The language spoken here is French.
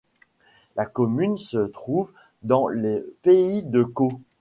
La commune se trouve dans le pays de Caux.